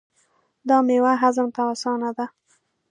دا میوه هضم ته اسانه ده.